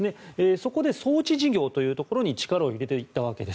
そこで装置事業というところに力を入れていったわけです。